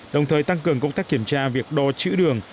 đồng thời tăng cường công tác kiểm tra việc đo chữ đường